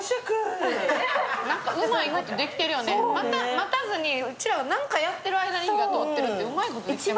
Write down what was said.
待たずにうちらが何かやっている間に火が通ってるってうまいことできてるよね。